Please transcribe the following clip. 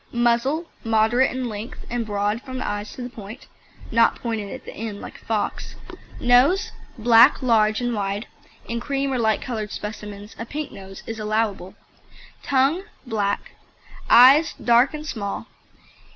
MUZZLE Moderate in length, and broad from the eyes to the point (not pointed at the end like a fox). NOSE Black, large and wide. (In cream or light coloured specimens, a pink nose is allowable.) TONGUE Black. EYES Dark and small.